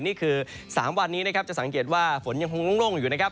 นี่คือ๓วันนี้นะครับจะสังเกตว่าฝนยังคงโล่งอยู่นะครับ